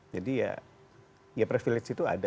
jadi ya privilege itu ada